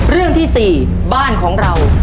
เรื่องที่๔บ้านของเรา